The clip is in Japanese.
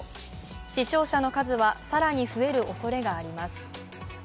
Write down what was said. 死傷者の数は更に増えるおそれがあります。